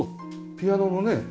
ピアノのね